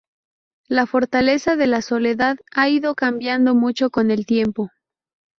La Fortaleza de la Soledad ha ido cambiando mucho con el tiempo.